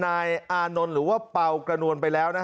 นายอานนท์หรือว่าเป่ากระนวลไปแล้ว